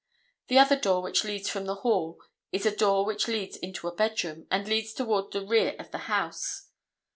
The other door which leads from the hall is a door which leads into a bedroom, and leads toward the rear of the house.